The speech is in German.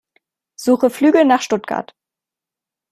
Suche Flüge nach Stuttgart.